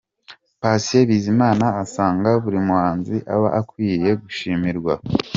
Patient Bizimana asanga buri muhanzi aba akwiriye gushimirwa.